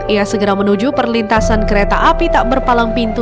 ia segera menuju perlintasan kereta api tak berpalang pintu